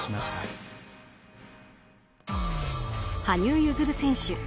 羽生結弦選手